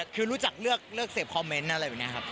คือรู้จักเลือกเสพคอมเมนต์อะไรแบบนี้ครับ